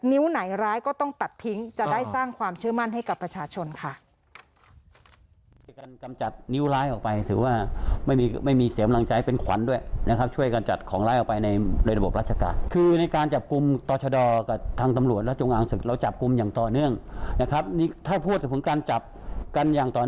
นิ้วไหนร้ายก็ต้องตัดทิ้งจะได้สร้างความเชื่อมั่นให้กับประชาชนค่ะ